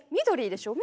緑。